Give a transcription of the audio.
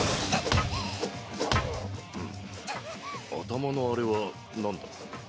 頭のあれはなんだ？